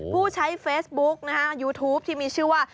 ผู้ใช้เฟซบุ๊กนะฮะยูทูปที่มีชื่อว่า